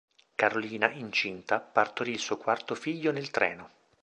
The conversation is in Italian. Carolina, incinta, partorì il suo quarto figlio nel treno.